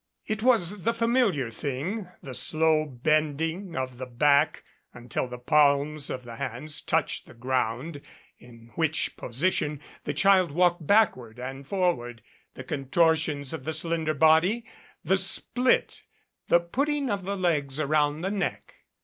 It was the familiar thing the slow bending of the back until the palms of the hands touched the ground, in which position the child walked backward and forward, the contortions of the slender body, the "split," the put ting of the legs around the neck.